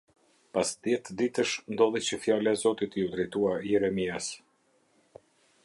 Pas dhjetë ditësh ndodhi që fjala e Zotit iu drejtua Jeremias.